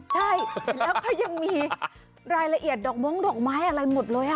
ใช่แล้วก็ยังมีรายละเอียดดอกม้งดอกไม้อะไรหมดเลย